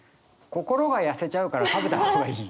「心がやせちゃうから食べたほうがいい」。